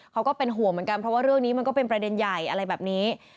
ก็เป็นห่วงเหมือนกันเพราะว่าเรื่องนี้มันก็เป็นประเด็นใหญ่อะไรแบบนี้